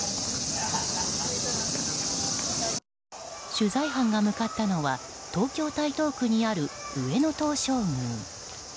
取材班が向かったのは東京・台東区にある上野東照宮。